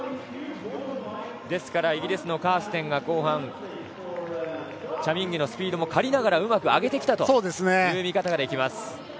ですからイギリスのカーステンが後半チャ・ミンギュのスピードも借りながらうまく上げてきたという見方ができます。